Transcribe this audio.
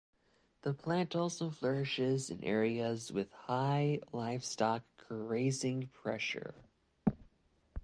The plant also flourishes in areas with high livestock grazing pressure.